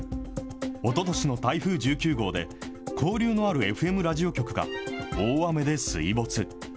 おととしの台風１９号で、交流のあるＦＭラジオ局が大雨で水没。